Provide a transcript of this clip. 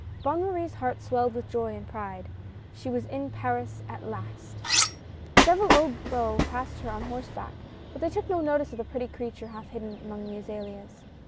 Bonne Marie's heart swelled with joy and pride; she was in Paris at last ! Several old beaux passed her on horseback, but they took no notice of the pretty creature half hidden among the azaleas.